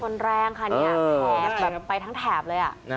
คนแรงค่ะไปทั้งแถบเลย